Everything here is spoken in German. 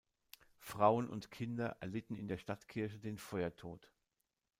Frauen und Kinder erlitten in der Stadtkirche den Feuertod.